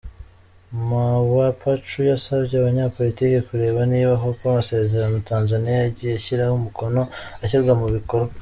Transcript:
Mawapachu yasabye abanyapolitiki kureba niba koko amasezerano Tanzania yagiye ishyiraho umukono ashyirwa mu bikorwa.